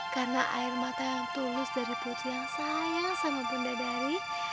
karena air mata yang tulus dari putri yang sayang sama bunda dari